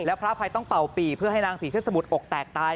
แล้วพระอภัยต้องเป่าปีเพื่อให้นางผีเทศสมุดอกแตกตาย